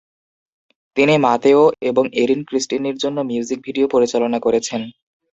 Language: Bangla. তিনি মাতেও এবং এরিন ক্রিস্টিনের জন্য মিউজিক ভিডিও পরিচালনা করেছেন।